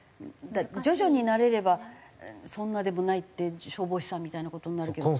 徐々に慣れればそんなでもないって消防士さんみたいな事になるけど。